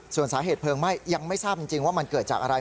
ส่วนสาเหตุเพลิงไหม้ยังไม่ทราบจริงว่ามันเกิดจากอะไร